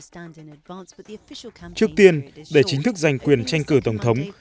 trước tiên để chính thức giành quyền tranh cử tổng thống